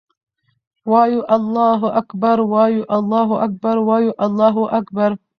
وایو الله اکــبر، وایو الله اکـــبر، وایـــــو الله اکــــــــبر